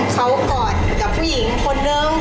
เขากอดกับผู้หญิงคนนึง